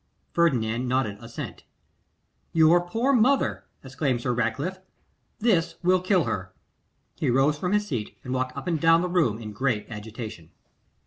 Ferdinand nodded assent. 'Your poor mother!' exclaimed Sir Ratcliffe. 'This will kill her.' He rose from his seat, and walked up and down the room in great agitation.